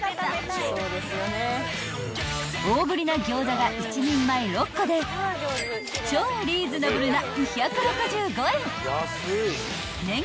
［大ぶりな餃子が１人前６個で超リーズナブルな］